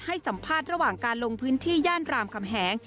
ให้สัมภาษณ์ระหว่างการลงพื้นที่ย่านรามคำแหง